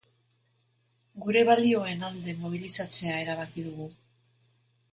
Gure balioen alde mobilizatzea erabaki dugu.